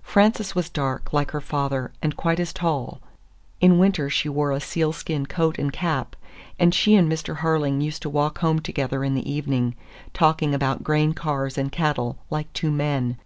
Frances was dark, like her father, and quite as tall. In winter she wore a sealskin coat and cap, and she and Mr. Harling used to walk home together in the evening, talking about grain cars and cattle, like two men.